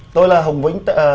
tôi là hồng vĩnh